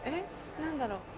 何だろう？